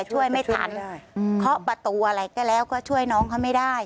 ช่วยไม่ทันเคาะประตูอะไรก็แล้วก็ช่วยน้องเขาไม่ได้